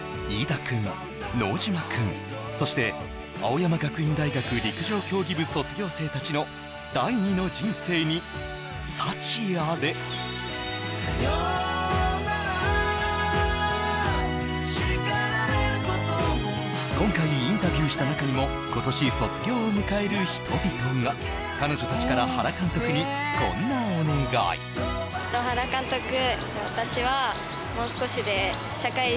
飯田くん能島くんそして青山学院大学陸上競技部卒業生たちの第二の人生に幸あれ今回インタビューした中にも今年卒業を迎える人々が彼女たちから原監督にこんなお願い原監督